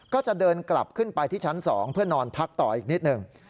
ก็จะเดินกลับขึ้นไปที่ชั้น๒เพื่อนอนพักต่ออีกนิดหนึ่ง